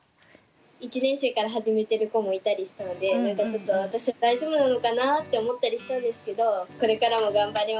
１年生から始めてる子もいたりしたので何かちょっと私は大丈夫なのかな？って思ったりしたんですけどこれからも頑張ります。